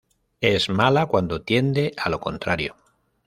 Es mala cuando tiende a lo contrario".